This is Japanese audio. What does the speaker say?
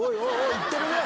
いってるね！